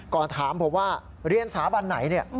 ก่อนถามผมว่าเรียนสาบันไหนเนี่ย